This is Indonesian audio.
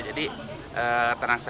jadi tenang saja